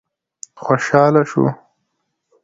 خوشاله شو.